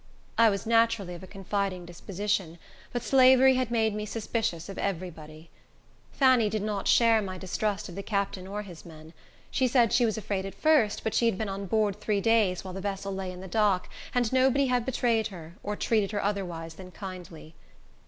I was naturally of a confiding disposition, but slavery had made me suspicious of every body. Fanny did not share my distrust of the captain or his men. She said she was afraid at first, but she had been on board three days while the vessel lay in the dock, and nobody had betrayed her, or treated her otherwise than kindly.